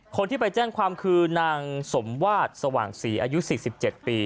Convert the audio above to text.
คนที่ไปแจ้งความคือนางสมวาดสว่างศรีอายุ๔๗ปี